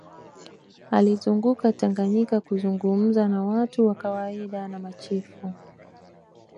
alizunguka tanganyika kuzungumza na watu wa kawaida na machifu